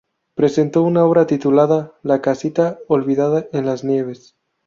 Presentó una obra titulada "La casita olvidada en las nieves".